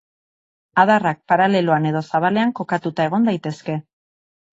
Adarrak paraleloan edo zabalean kokatuta egon daitezke.